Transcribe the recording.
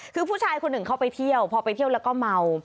คือผู้ชายคนหนึ่งเข้าไปเที่ยวพอไปเที่ยวแล้วก็เมา